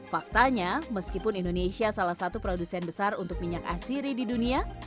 faktanya meskipun indonesia salah satu produsen besar untuk minyak asiri di dunia